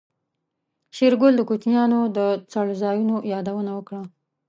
شېرګل د کوچيانو د څړځايونو يادونه وکړه.